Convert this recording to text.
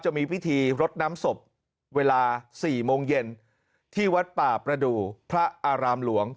จะมีพิธีรดน้ำศพเวลา๔โมงเย็นที่วัดป่าประดูกพระอารามหลวง